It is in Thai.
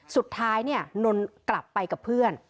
สุดท้ายเนี่ยนนกลับไปกับเพื่อน